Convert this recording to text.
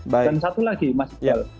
dan satu lagi mas gil